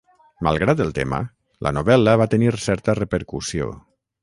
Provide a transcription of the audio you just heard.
Malgrat el tema, la novel·la va tenir certa repercussió.